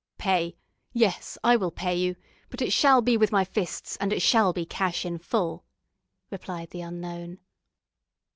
"Pay! yes, I will pay you, but it shall be with my fists; and it shall be cash in full," replied the unknown.